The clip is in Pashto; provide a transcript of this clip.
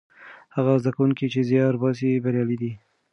هغه زده کوونکي چې زیار باسي بریالي دي.